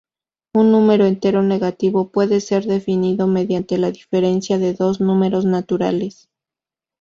Un número entero negativo puede ser definido mediante la diferencia de dos números naturales.